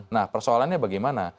nah persoalannya bagaimana